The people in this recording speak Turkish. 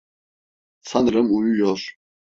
Sanırım uyuyor.